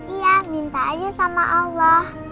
iya minta aja sama allah